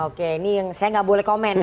oke ini yang saya gak boleh komen